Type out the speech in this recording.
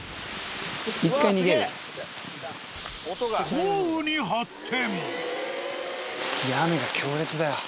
豪雨に発展。